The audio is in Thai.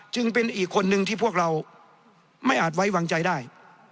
เป็นอีกคนนึงที่พวกเราไม่อาจไว้วางใจได้